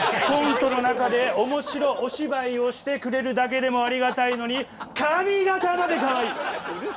コントの中でおもしろお芝居をしてくれるだけでもありがたいのに髪形までかわいい！